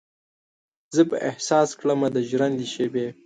زه به احساس کړمه د ژرندې شیبې